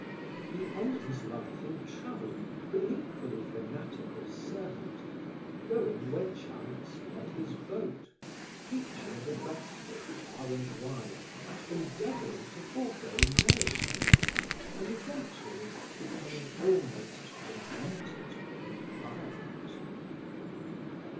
He ended his life in travelling, with an equally fanatical servant, going where chance led his boat, preaching the Gospel far and wide, endeavoring to forego nourishment, and eventually becoming almost demented and violent.